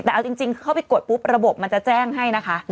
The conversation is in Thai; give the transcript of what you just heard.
แต่เอาจริงเข้าไปกดปุ๊บระบบมันจะแจ้งให้นะคะ